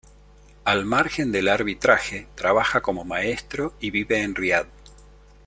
Al margen del arbitraje, trabaja como maestro y vive en Riad.